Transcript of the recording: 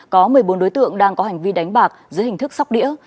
có một mươi bốn đối tượng đang có hành vi đánh bạc dưới hình thức sóc đĩa